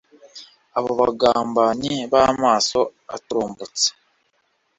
Abo bagambanyi b'amaso aturumbutse